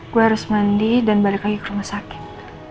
gue harus mandi dan balik lagi ke rumah sakit